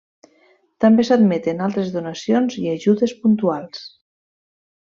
També s'admeten altres donacions i d'ajudes puntuals.